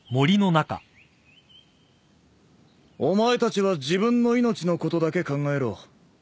お前たちは自分の命のことだけ考えろ。